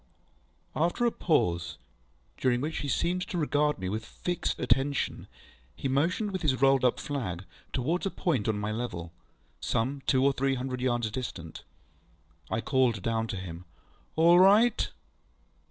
After a pause, during which he seemed to regard me with fixed attention, he motioned with his rolled up flag towards a point on my level, some two or three hundred yards distant. I called down to him, ŌĆ£All right!